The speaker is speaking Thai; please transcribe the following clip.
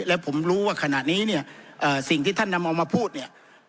และผมรู้ว่าขณะนี้เนี่ยสิ่งที่ท่านนำเอามาพูดเนี่ย